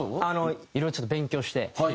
いろいろちょっと勉強して。